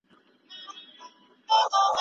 کور ودانی.